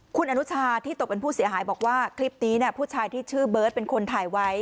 คุณอนุชาที่ตกเป็นผู้เสียหายบอกว่าคลิปนี้ผู้ชายที่ชื่อเบิร์ตเป็นคนถ่ายไว้